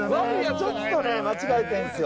ちょっとね間違えてるんですよ。